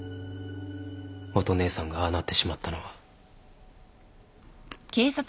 乙姉さんがああなってしまったのは。